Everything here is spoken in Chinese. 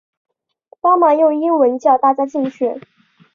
帮忙用英文叫大家进去